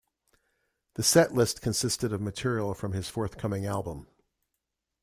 The set list consisted of material from his forthcoming album.